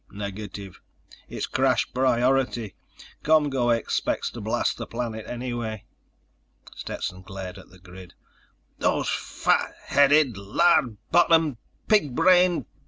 "Negative. It's crash priority. ComGO expects to blast the planet anyway." Stetson glared at the grid. "Those fat headed, lard bottomed, pig brained ...